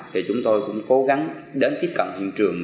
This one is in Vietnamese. thì chúng tôi cũng cố gắng đến tiếp cận hiện trường